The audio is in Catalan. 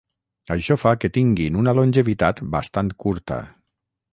Això fa que tinguin una longevitat bastant curta.